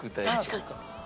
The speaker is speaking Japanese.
確かに。